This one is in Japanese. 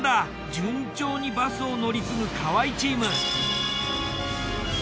順調にバスを乗り継ぐ河合チーム。